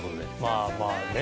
まあまあね。